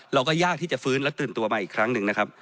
เราก็ยากที่จะฟื้นและตื่นตัวมาอีกครั้งหนึ่งนะครับ